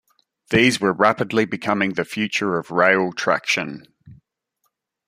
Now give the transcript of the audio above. These were rapidly becoming the future of rail traction.